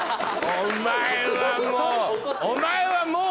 お前はもう。